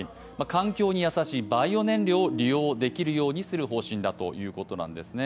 環境に優しいバイオ燃料を利用できるようにする方針だということですね